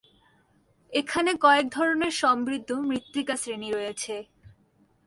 এখানে কয়েক ধরনের সমৃদ্ধ মৃত্তিকা শ্রেণি রয়েছে।